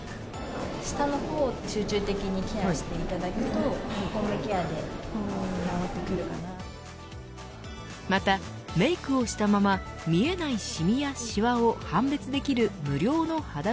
下の方を集中的にケアをしていただくとまた、メークをしたまま見えないシミやシワを判別できる無料の判断